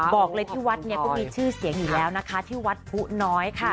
บอกเลยที่วัดเนี่ยก็มีชื่อเสียงอยู่แล้วนะคะที่วัดผู้น้อยค่ะ